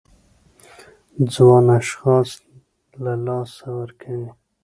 ځوان اشخاص له لاسه ورکوي.